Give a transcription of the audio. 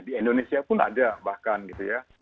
di indonesia pun ada bahkan gitu ya